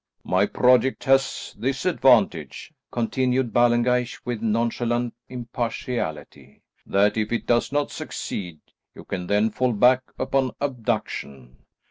"My project has this advantage," continued Ballengeich with nonchalant impartiality, "that if it does not succeed, you can then fall back upon abduction.